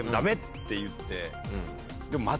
って言ってでも。